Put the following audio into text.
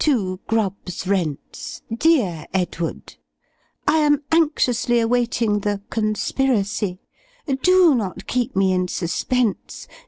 2, Grubb's Rents. "DEAR EDWARD, "I am anxiously awaiting the 'Conspiracy,' do not keep me in suspense!